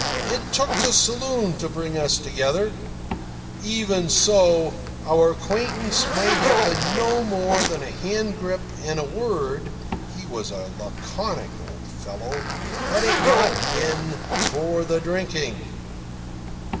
It took the saloon to bring us together. Even so, our acquaintance might have been no more than a hand grip and a word he was a laconic old fellow had it not been for the drinking.